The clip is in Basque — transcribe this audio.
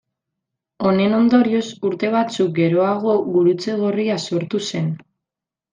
Honen ondorioz urte batzuk geroago Gurutze Gorria sortu zen.